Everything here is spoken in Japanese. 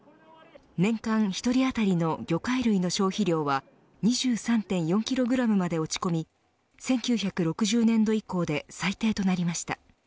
年間１人当たりの魚介類の消費量は２３．４キログラムまで落ち込み１９６０年度以降で最低となりました。